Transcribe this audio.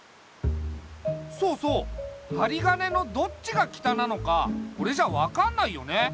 そうそうはりがねのどっちが北なのかこれじゃ分かんないよね。